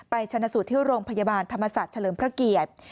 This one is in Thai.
ชนะสูตรที่โรงพยาบาลธรรมศาสตร์เฉลิมพระเกียรติ